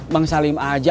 bang salim aja